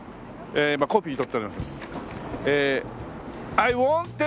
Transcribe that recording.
えコピー取っております。